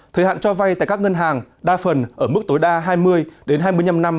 thời hạn cho vay tại các ngân hàng đa phần ở mức tối đa hai mươi hai mươi năm năm